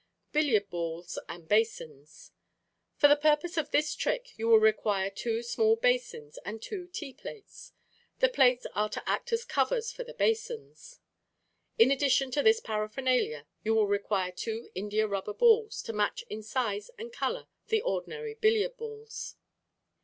Billiard Balls and Basins.—For the purpose of this trick you will require two small basins and two tea plates. The plates are to act as covers for the basins. In addition to this paraphernalia you will require two India rubber balls to match in size and color the ordinary billiard balls.